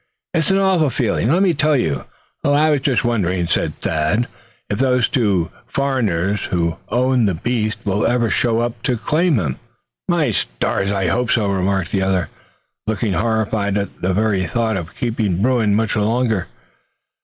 It's an awful feeling, let me tell you." "I was just wondering," said Thad, "if those two foreigners who own this beast will ever show up to reclaim him." "My stars! I hope so," remarked the other, looking horrified at the very thought of keeping Bruin much longer.